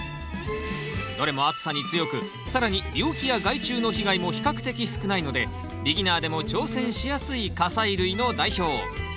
どれも暑さに強く更に病気や害虫の被害も比較的少ないのでビギナーでも挑戦しやすい果菜類の代表。